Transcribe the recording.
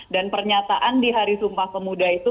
dan pernyataan di hari sumpah pemuda itu